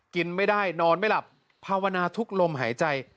กินไม่ได้นอนไม่หลับภาวนาทุกลมหายใจ